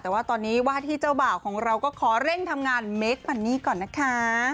แต่ว่าตอนนี้ว่าที่เจ้าบ่าวของเราก็ขอเร่งทำงานเมคพันนี่ก่อนนะคะ